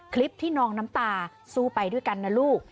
คลิปที่นองน้ำตาสู้ไปด้วยกันนะลูก